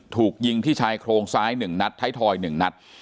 ถูกยิงที่ชายโครงซ้าย๑นัดไทยทอย๑นัด